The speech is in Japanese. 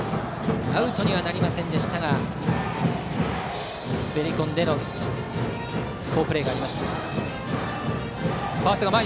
アウトにはなりませんでしたが滑り込みの好プレーがありました。